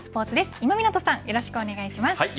今湊さんよろしくお願いします。